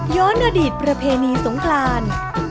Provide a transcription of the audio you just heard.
ย้อนอดีตประเพณีสงคลาน